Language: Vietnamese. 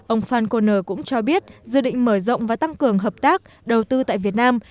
ông san kon cũng cho biết dự định mở rộng và tăng cường hợp tác đầu tư tại việt nam